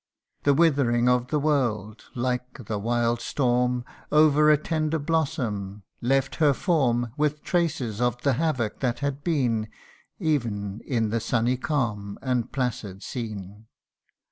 The withering of the world, like the wild storm Over a tender blossom, left her form With traces of the havoc that had been, Ev'n in the sunny calm, and placid scene.